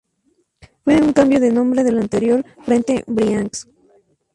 Fue un cambio de nombre del anterior Frente Briansk.